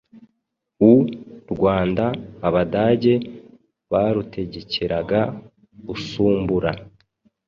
u Rwanda Abadage barutegekeraga Usumbura